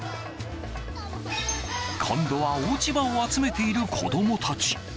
今度は落ち葉を集めている子供たち。